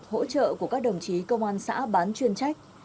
hỗ trợ của các đồng chí công an xã bán chuyên trách